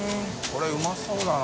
海うまそうだな。